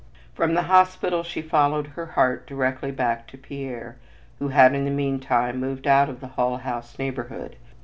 From the hospital she followed her heart directly back to Pierre, who had in the meantime moved out of the Hull House neighborhood.